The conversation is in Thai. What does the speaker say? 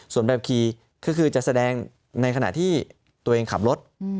ส่วนแบบขี่ก็คือจะแสดงในขณะที่ตัวเองขับรถ